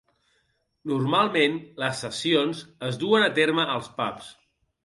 Normalment les sessions es duen a terme als pubs.